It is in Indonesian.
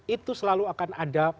itu selalu akan ada